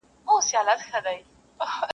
زندانونو ته خپلوان یې وه لېږلي-